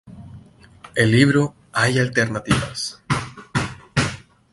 El libro "Hay alternativas.